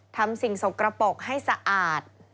ทำสิ่งสกระปกให้สะอาด